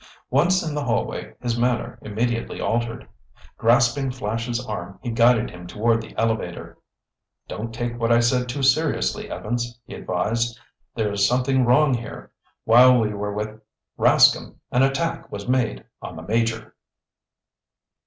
Once in the hallway his manner immediately altered. Grasping Flash's arm, he guided him toward the elevator. "Don't take what I said too seriously, Evans," he advised. "There's something wrong here. While we were with Rascomb an attack was made on the Major!"